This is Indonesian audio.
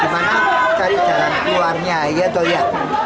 gimana cari cara keluarnya ya toh ya